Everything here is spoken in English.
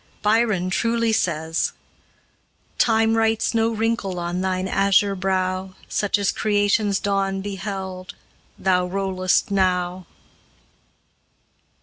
Byron truly says: "Time writes no wrinkle on thine azure brow Such as creation's dawn beheld, thou rollest now."